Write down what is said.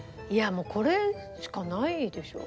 もうこれしかないでしょ。